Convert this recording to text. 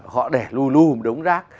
họ để lù lùm đống rác